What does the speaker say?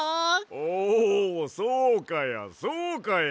おおそうかやそうかや。